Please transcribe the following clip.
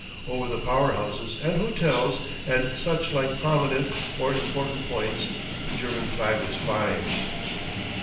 Over the power houses and hotels and suchlike prominent or important points the German flag was flying.